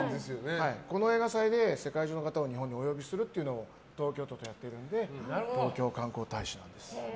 この映画祭で世界中の方を日本にお呼びするのを東京都とやっているので東京観光大使なんです。